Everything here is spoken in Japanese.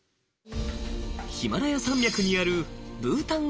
ヒマラヤ山脈にあるブータン王国。